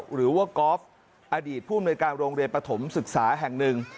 หรือว่ากอล์ฟอดีตผู้อำนวยการโรงเรียนปฐมศึกษาแห่งหนึ่ง